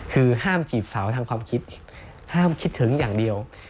คือห้ามจีบสาวทางความคิดห้ามคิดถึงอย่างเดียว